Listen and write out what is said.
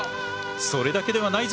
それだけではないぞ！